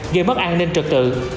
gây mất an ninh trật tự